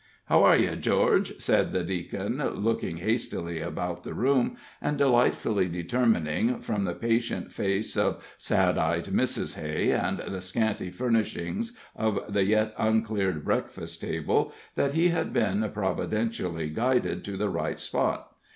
"How are ye, George," said the Deacon, looking hastily about the room, and delightfully determining, from the patient face of sad eyed Mrs. Hay and the scanty furnishing of the yet uncleared breakfast table, that he had been providentially guided to the right spot.